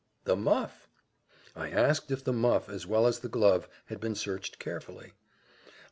The muff! I asked if the muff, as well as the glove, had been searched carefully.